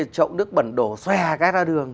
trộm nước bẩn đổ xòe cái ra đường